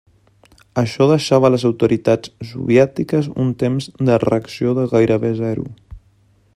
Això deixava les autoritats soviètiques un temps de reacció de gairebé zero.